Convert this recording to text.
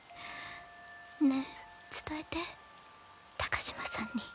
ねえ伝えて高嶋さんに。